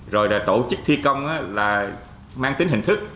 rồi là tổ chức thi công là mang tính hình thức